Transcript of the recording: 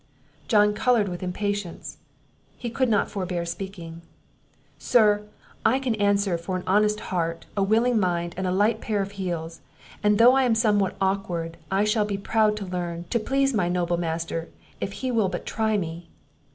John coloured with impatience; he could not forbear speaking. "Sir, I can answer for an honest heart, a willing mind, and a light pair of heels; and though I am somewhat awkward, I shall be proud to learn, to please my noble master, if he will but try me."